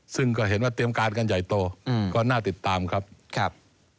ซึ่งก็เห็นว่าเตรียมการกันใหญ่โตอืมก็น่าติดตามครับครับ